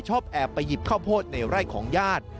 ชอบแอบไปหยิบข้าวโพดในไร่ของญาติ